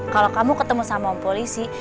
kalau kamu ketemu sama polisi